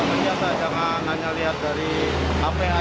biar mereka biasa biasa jangan hanya lihat dari hp aja